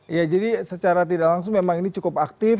ya jadi secara tidak langsung memang ini cukup aktif